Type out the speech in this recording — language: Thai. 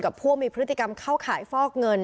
ผู้มีพฤติกรรมเข้าขายฟอกเงิน